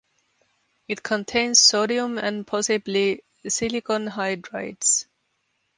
It contains sodium and possibly silicon hydrides.